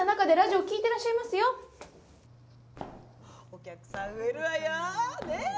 お客さん増えるわよねえ？